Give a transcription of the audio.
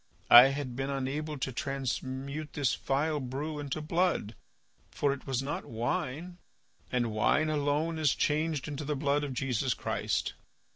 I had been unable to transmute this vile brew into blood, for it was not wine, and wine alone is changed into the blood of Jesus Christ.